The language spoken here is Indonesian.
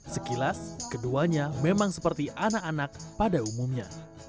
sekilas keduanya memang seperti anak anak pada umumnya